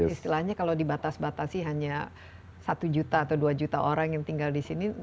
istilahnya kalau dibatasi hanya satu juta atau dua juta orang yang tinggal di sini